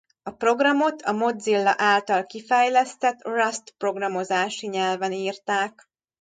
A programot a Mozilla által kifejlesztett Rust programozási nyelven írták.